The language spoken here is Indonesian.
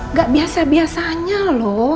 nggak biasa biasanya loh